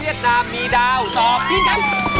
เฮียดดามมีดาวต่อพี่นะ